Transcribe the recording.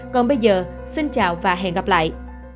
còn bây giờ xin chào và hẹn gặp lại